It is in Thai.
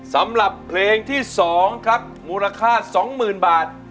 สำหรับเพลงที่สองครับมูลค่าสองหมื่นบาท